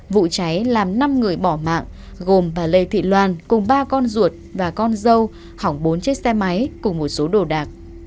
vụ cháy làm năm người bỏ mạng gồm bà lê thị loan cùng ba con ruột và con dâu hỏng bốn chiếc xe máy cùng một số đồ đạc